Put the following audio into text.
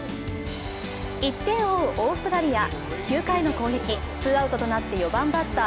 １点を追うオーストラリア、９回の攻撃、ツーアウトとなって４番バッター